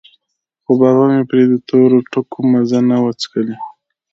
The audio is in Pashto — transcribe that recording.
خو بابا مې پرې د تورو ټکو مزه نه وڅکلې.